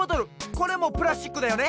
これもプラスチックだよね。